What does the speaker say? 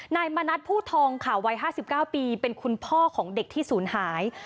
นายมณัฐผู้ทองค่ะวัย๕๙ปีเป็นคุณพ่อของเด็กที่ศูนย์หาย